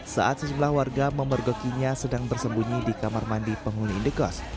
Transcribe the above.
saat sejumlah warga memergokinya sedang bersembunyi di kamar mandi penghuni indekos